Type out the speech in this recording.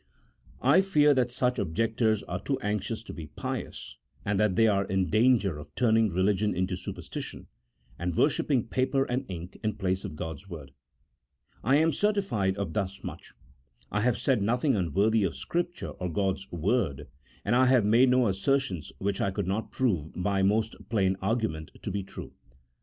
I fear that such objectors are too anxious to be pious, and that they are in danger of turning religion into superstition, and wor shipping paper and ink in place of God's Word. I am certified of thus much : I have said nothing un worthy of Scripture or God's Word, and I have made no assertions which I could not prove by most plain argu ment to be true.